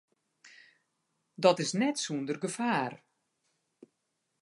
Dat is net sûnder gefaar.